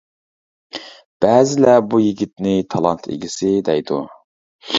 بەزىلەر بۇ يىگىتنى «تالانت ئىگىسى» دەيدۇ.